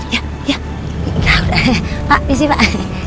ya ya pak bisik pak